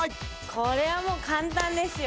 これはもう簡単ですよ